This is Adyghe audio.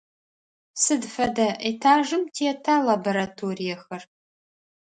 Сыд фэдэ этажым тета лабораториехэр?